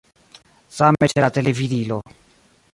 Same ĉe la televidilo.